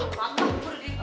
angga ngubur deh